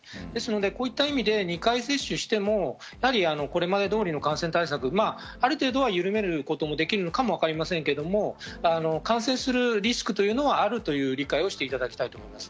こういった意味で２回接種しても、やはりこれまで通りの感染対策、ある程度はゆるめることもできるかもしれませんが、感染するリスクというのはあるという理解をしていただきたいと思います。